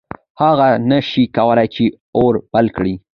هغه نه شي کولی چې اور بل کړي.